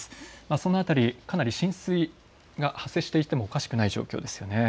その辺り、かなり浸水が発生してもおかしくない状況ですよね。